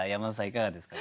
いかがですか？